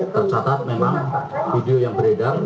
tercatat memang video yang beredar